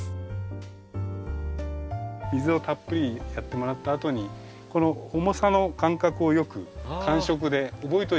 水をたっぷりやってもらったあとにこの重さの感覚をよく感触で覚えといて頂いて。